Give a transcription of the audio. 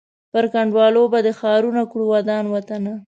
پر کنډوالو به دي ښارونه کړو ودان وطنه